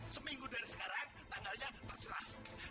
seminggu dari sekarang tetangganya terserah